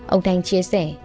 ông thanh chia sẻ